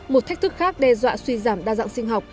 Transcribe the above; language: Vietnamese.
một thách thức khác đe dọa suy giảm đa dạng sinh học